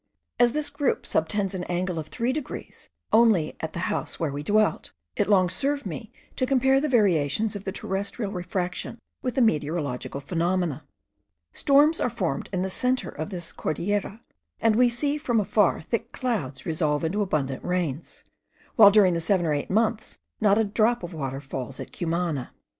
As this group subtends an angle of three degrees only at the house where we dwelt, it long served me to compare the variations of the terrestrial refraction with the meteorological phenomena. Storms are formed in the centre of this Cordillera; and we see from afar thick clouds resolve into abundant rains, while during seven or eight months not a drop of water falls at Cumana.